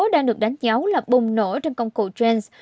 đã được đánh dấu là bùng nổ trên công cụ trends